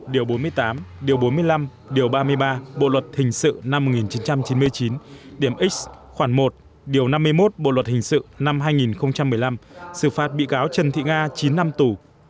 điểm bốn mươi năm điều ba mươi ba bộ luật hình sự năm một nghìn chín trăm chín mươi chín điểm x khoản một điều năm mươi một bộ luật hình sự năm hai nghìn một mươi năm sự phát bị cáo trần thị nga chín năm tù